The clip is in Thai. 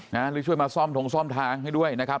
หรือช่วยมาซ่อมทงซ่อมทางให้ด้วยนะครับ